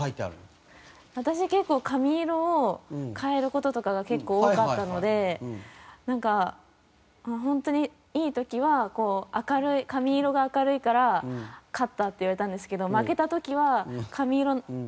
私結構髪色を変える事とかが結構多かったのでなんか本当にいい時はこう明るい髪色が明るいから勝ったって言われたんですけど。